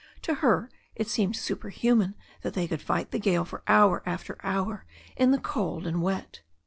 To her it seemed super human that they could fight the gale for hour after hour in the cold and wet.